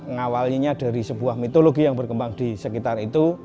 ngawalnya dari sebuah mitologi yang berkembang di sekitar itu